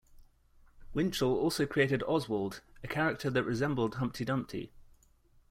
Winchell also created Ozwald, a character that resembled Humpty Dumpty.